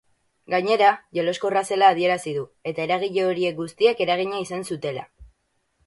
Gainera, jeloskorra zela adierazi du eta eragile horiek guztiek eragina izan zutela.